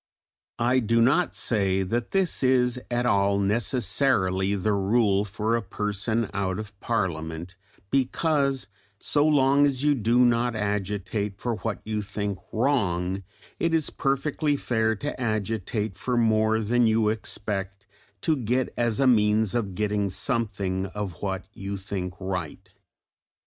I do not say that this is at all necessarily the rule for a person out of Parliament, because so long as you do not agitate for what you think wrong it is perfectly fair to agitate for more than you expect to get as a means of getting something of what you think right.